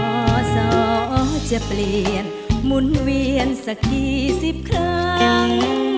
เพ้อซ้อจะเปลี่ยนหมุนเวียนสักกี่สิบครั้ง